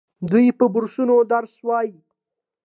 دوی په بورسونو درس وايي.